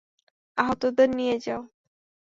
আহতদের নিয়ে যাও!